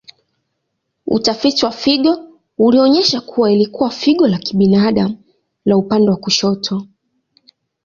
Utafiti wa figo ulionyesha kuwa ilikuwa figo la kibinadamu la upande wa kushoto.